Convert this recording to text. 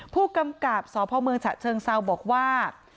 ผู้กำกับสพเชิงเซาบอกว่า